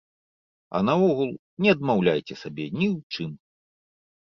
А наогул, не адмаўляйце сабе ні ў чым.